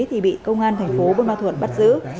thì bị công an tp buôn ma thuột bắt giữ